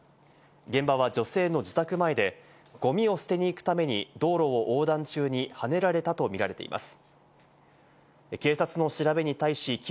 現場は女性の自宅前でゴミを捨てに行くために道路を横断中にはねられたと見られています。